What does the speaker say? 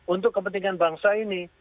untuk kepentingan bangsa ini